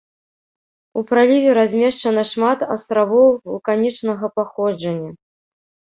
У праліве размешчана шмат астравоў вулканічнага паходжання.